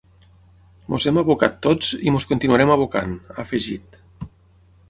“Ens hem abocat tots i ens continuarem abocant”, ha afegit.